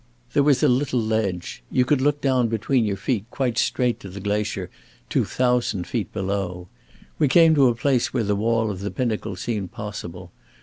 There was a little ledge. You could look down between your feet quite straight to the glacier, two thousand feet below. We came to a place where the wall of the pinnacle seemed possible.